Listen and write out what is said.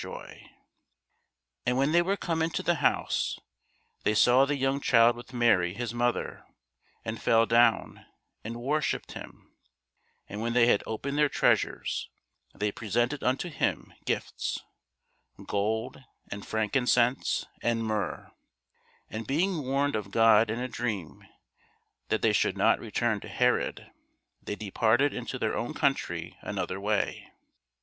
[Illustration: THE BAPTISM OF CHRIST, BY FRANCIA IN THE DRESDEN GALLERY] And when they were come into the house, they saw the young child with Mary his mother, and fell down, and worshipped him: and when they had opened their treasures, they presented unto him gifts; gold, and frankincense, and myrrh. And being warned of God in a dream that they should not return to Herod, they departed into their own country another way.